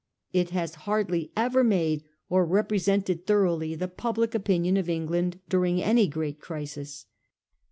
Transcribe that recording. It has hardly ever made or represented thoroughly the public opinion of England during any great crisis.